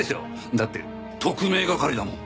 だって特命係だもん。